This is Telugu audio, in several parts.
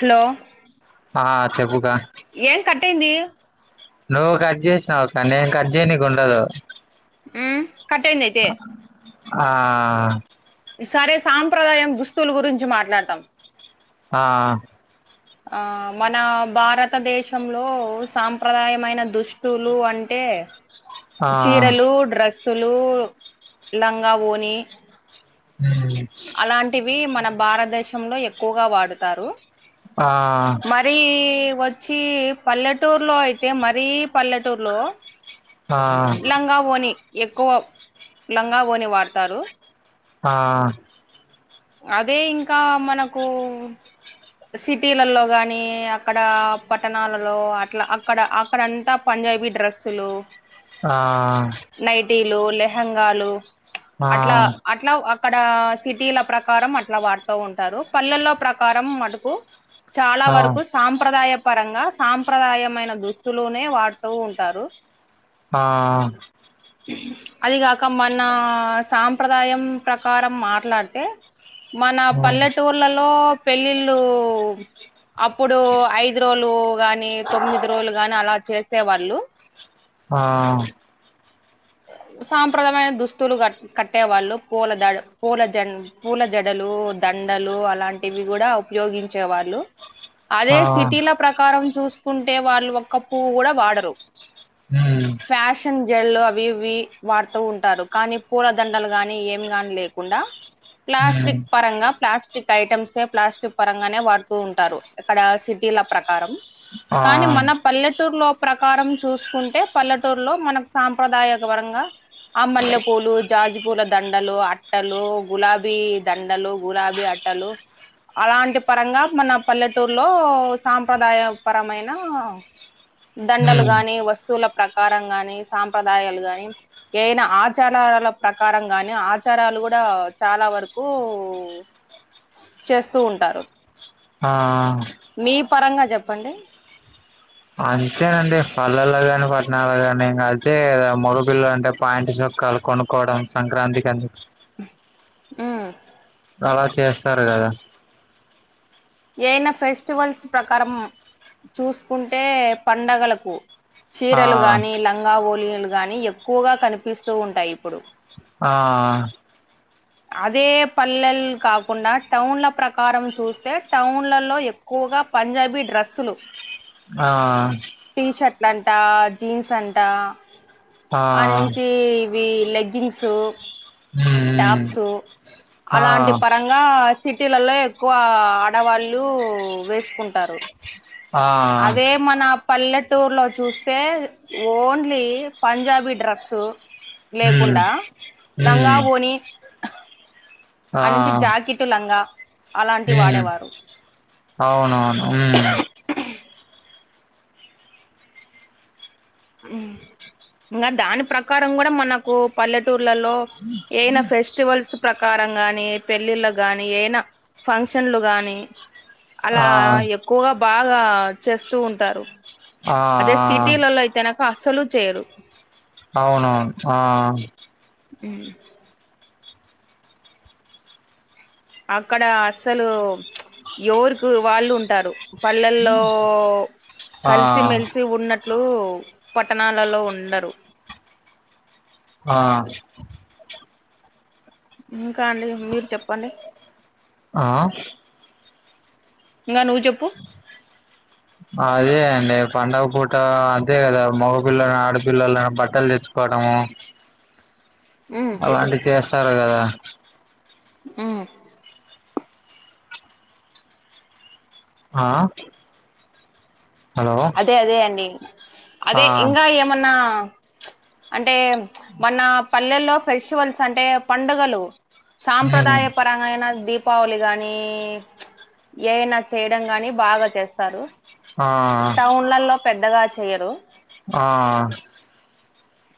హలో ఆ చెప్పుగా ఏం కట్టయింది నువ్వు కట్ చేసినావక్క నేను కట్ చేయనీకి ఉండదు హ్మ్ కట్టయిందయితే ఆ ఈ సారి సాంప్రదాయం దుస్తుల గురించి మాట్లాడతాం ఆ ఆ మన భారతదేశంలో సాంప్రదాయమైన దుస్తులు అంటే ఆ చీరలు డ్రస్సులు లంగా ఓని హ్మ్ అలాంటివి మన భారతదేశంలో ఎక్కువగా వాడుతారు ఆ మరి వ వచ్చి పల్లెటూరులో అయితే మరీ పల్లెటూరులో ఆ లంగా ఓని ఎక్కువ లంగా ఓని వాడతారు ఆ అదే ఇంకా మనకు సిటీలలో గాని అక్కడ పట్టణాలలో అట్లా అక్కడ అక్కడంతా పంజాబీ డ్రెస్సులు ఆ నైటీలు లెహెంగాలు అట్లా ఆ అట్ అట్లా అక్కడ సిటీల ప్రకారం అట్లా వాడుతూ ఉంటారు పల్లెల్లో ప్రకారం మటుకు చాలా వరకు సాంప్రదాయం పరంగా సాంప్రదాయమైన దుస్తులునే వాడుతూ ఉంటారు ఆ అది కాక మన సాంప్రదాయం ప్రకారం మాట్లాడితే మన మ్ పల్లెటూర్లలో పెళ్ళిళ్ళు అప్పుడు ఐదు రోజులు గాని తొమ్మిది రోజులు గాని అలా చేసే వాళ్ళు ఆ సాంప్రదామైన దుస్తులు క కట్టే వాళ్ళు పూలద పూల జం పూల జడలు దండలు అలాంటివి కూడా ఉపయోగించే వాళ్ళు అదే ఆ ఆ సిటీల ప్రకారం చూసుకుంటే వాళ్ళు ఒక్క పువ్వు కూడా వాడరు ఉమ్మ్ ఫ్యాషన్ జళ్లు అవి ఇవి వాడుతూ ఉంటారు కానీ పూలదండలు గానీ ఏం గాని లేకుండా మ్ ప్లాస్టిక్ పరంగా ప్లాస్ట్ టిక్ ఐటమ్సే ప్లాస్టిక్ పరంగానే వాడుతూ ఉంటారు ఇక్కడ సిటీల ప్రకారం ఆ కానీ మన పల్లెటూరులో ప్రకారం చూసుకుంటే పల్లెటూ రూ లో మనకు సాంప్రదాయ పరంగా ఆ మల్లెపూలు జాజుపూల దండలు అట్టలు గులాబీ దండలు గులాబీ అ టలు అలాంటి పరంగా మన పల్లెటూరులో సాంప్రదాయ పరమైన దండలు మ్ గాని వస్తువుల ప్రకారం గాని సాంప్రదాయాలు గాని ఏయినా ఆచారాల ప్రకారం గాని ఆచారాలు కూడా చాలా వరకు చేస్తూ ఉంటారు హా హా మీ పరంగా చెప్పండి అంతేనండి పల్లల్లో కాని పట్టణాల్లో కాని ఇంకా అయితే మొగపిల్ల అంటే పాయిట్ చొక్కాలు కొనుక్కోవడం సంక్రాంతి కని ఉమ్మ్ అలా చేస్తారు కదా ఏయినా ఫెస్టివల్స్ ప్రకారం చూసుకుంటే పండగలకు ఆ చీరలు గాని లంగా ఓలిలు గాని ఎక్కువగా కనిపిస్తూ ఉంటాయి ఇప్పుడు ఆ అదే పల్లెలు కాకుండా టౌన్ల ప్రకారం చూస్తే టౌన్లలో ఎక్ క్కువగా పంజాబీ డ్రెస్సులు ఆ టీషర్ట్లంట జీన్స్ అంట ఆ నుంచి ఇవి లెగ్గింగ్స్ మ్మ్ టాప్స్ ఆ అలాంటి పరంగా సిటీలలో ఎక్కువ ఆడవాళ్ళు వేసుకుంటారు ఆ అదే మన పల్లెటూరు లో చూస్తే ఓన్లీ పంజాబీ డ్రస్సు మ్మ్ లేకుండా లంగా మ్మ్ ఆ నుంచి జాకెట్ లంగా అలాంటివి మ్మ్ వాడేవారు అవునవును ఉమ్మ్ ఉమ్ ఇంకా దాని ప్రకారం కూడా మనకు పల్లెటూర్లలో ఏన ఫ్రెష్ స్టివల్స్ ప్రకారం గానీ, పెళ్ళిళ్ళ గానీ, ఏనా ఫంక్షన్లు గానీ, అలా ఆ ఎక్కువగ బాగా చేస్తూ ఉంటారు. ఆ అదే సిటీలల్లో అయితేనక అసలూ చేయరు. అవునవును ఆ ఉ అక్కడా అస్సలూ ఎవరుకూ వాళ్ళు ఉంటారు. పల్లెల్లో ఆ కలిసిమెలిసి ఉన్నట్ ట్లూ పట్టణాలల్లో ఉండరు. ఆ ఇంకా అండి మీరు చెప్పండి. ఆ? ఇంగ నువ్వు చెప్పు? ఆ అదే అండి, పండుగ పూటా అంతే గదా. మొగ పిల్లలన్, ఆడ పిల్లలైనా బట్టలు దెచ్చు కోడమూ ఉమ్ అలాంటి చేస్తారు గదా? ఉ ఆ హలో అదే అదే అండి. ఆ అదే ఇంకా ఏమన్నా అంటే మన పల్లెల్లో ఫెస్టివల్స్ అంటే, పండుగలు మ్మ్ సాంప్రదాయపరంగా అయినా దీప్ పావళి గానీ, ఏదన్నా చేయడం గానీ, బాగా చేస్తారు. ఆ టౌన్లల్లో పెద్దగా చెయ్యరు. ఆ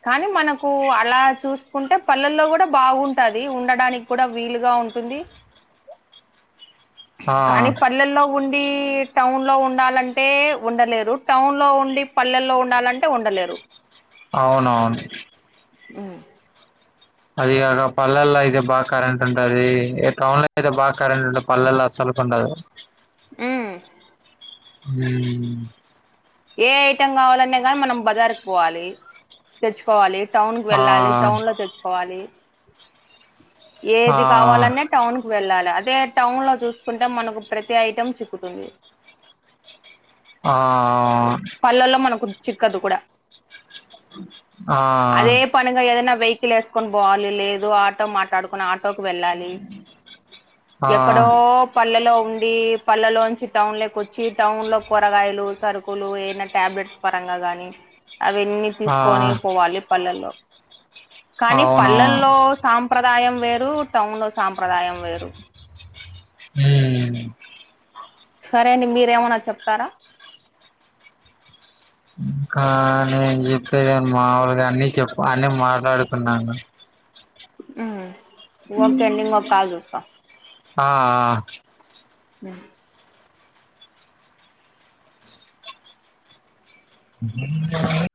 కానీ, మనకూ అలా చూసుకుంటే పల్లెల్లో గూడా బాగుంటాది. ఉండడానికి కుడా వీలుగా ఉంటుంది. ఆ కాని పల్లెల్లో ఉండీ, టౌన్లో ఉండాలంటే ఉండలేరు. టౌన్లో ఉండి, పల్లెల్లో ఉండాలంటే ఉండలేరు. అవునవును. అ అది గాక పల్లెల్లో అయితే, బాగ కరెంట్ ఉంటదీ. ఇగ టౌన్ లో అయితే బాగా కరెంట్ ఉండ పల్లెల్ల అసలుకుండదు. ఊమ్ హూమ్ ఏ ఐటం గావాలన్న గాని, మనం బజార్క్ పోవాలి. తెచ్చుకోవాలి, టౌన్ కి ఆ వెళ్ళాలి, టౌన్ లో తెచ్చుకోవాలి. ఆ ఏది కావాలన్న టౌన్ కు వెళ్ళాల. అదే టౌన్ లో జూసుకుంటే, మనకు ప్రతీ ఐటెం చిక్కుతుంది. ఆ పల్లల్లో మనకు చిక్కదు కుడా. ఆ అదే పనిగా ఏదైనా వెహికిల్ ఏసుకొని బోవాలి. లేదు ఆటో మాట్లాడుకుని, ఆ టోకు వెళ్ళాలి ఎక్కడో పల్లెలో ఉండీ, పల్లెలోంచి టౌన్ లోకి వచ్చి, టౌన్ లో కూరగాయలు సరుకులు ఏనా టాబ్లెట్స్ పరంగా గానీ అవన్నీ ఆ ఆ తీసుకొని పోవాలి పల్లెల్లో కానీ అవునవును పల్లెల్లో సాంప్రదాయం వేరు టౌన్ లో సాంప్రదాయం వేరు ఊ సరే అండి మీరు ఏమి అన్నా చెప్తారా ఉహ్మ్ ఇంకా నేను చెప్పేది నేను మాముూలుగా అన్ని చెప్ అన్ని మాట్లాడుకున్నాను ఉ ఆ ఆ బ అ